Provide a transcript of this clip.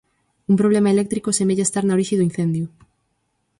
Un problema eléctrico semella estar na orixe do incendio.